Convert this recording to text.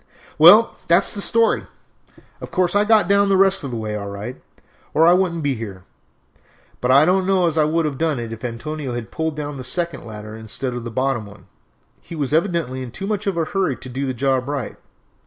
"Well, that is the story. Of course I got down the rest of the way all right, or I wouldn't be here; but I don't know as I would have done it if Antonio had pulled down the second ladder instead of the bottom one. He was evidently in too much of a hurry to do the job up right.